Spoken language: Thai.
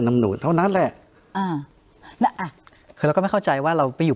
น้ำนูนเท่านั้นแหละเอ้าถ้าคือก็ไม่เข้าใจว่าเราไปอยู่